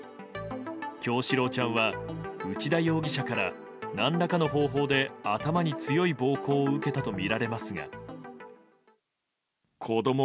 叶志郎ちゃんは内田容疑者から何らかの方法で頭に強い暴行を受けたとみられますが。